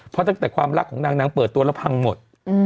เพราะตั้งแต่ความรักของนางนางเปิดตัวแล้วพังหมด